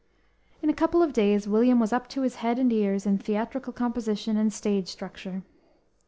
In a couple of days William was up to his head and ears in theatrical composition and stage structure.